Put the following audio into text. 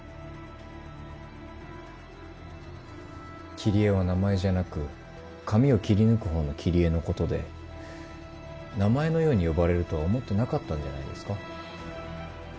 「キリエ」は名前じゃなく紙を切り抜く方の「切り絵」のことで名前のように呼ばれるとは思ってなかったんじゃないですか。